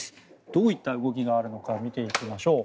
どういった動きがあるのかを見ていきましょう。